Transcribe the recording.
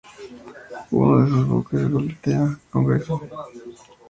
Uno de sus buques, la goleta "Congreso" llegó a operar en aguas de Cádiz.